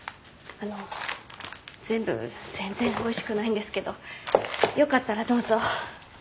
あの全部全然おいしくないんですけどよかったらどうぞ。